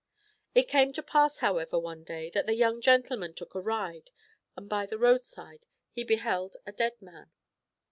It came to pass however one day, that the young gentleman took a ride, and by the road side he beheld a dead man.